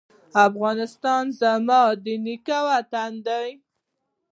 افغانستان زما د نیکه وطن دی